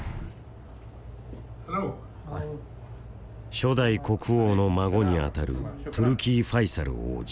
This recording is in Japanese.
初代国王の孫にあたるトゥルキー・ファイサル王子。